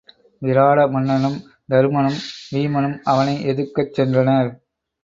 விராட மன்னனும், தருமனும், வீமனும் அவனை எதிர்க்கச் சென்றனர்.